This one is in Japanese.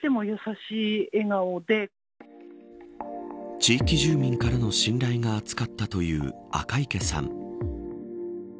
地域住民からの信頼が厚かったという赤池さん。